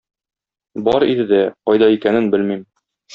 Бар иде дә, кайда икәнен белмим.